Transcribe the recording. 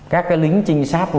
các cái lính trinh sát